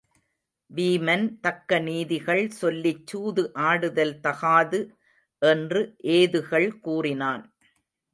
வீமன் தக்க நீதிகள் சொல்லிச் சூது ஆடுதல் தகாது என்று ஏதுகள் கூறினான்.